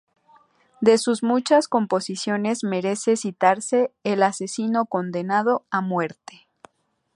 De sus muchas composiciones merece citarse "El asesino condenado a muerte".